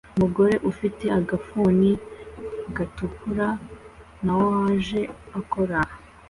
Umugore ufite agafuni gatukura na orange akora